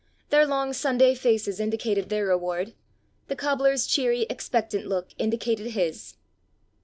Their long Sunday faces indicated their reward; the cobbler's cheery, expectant look indicated his.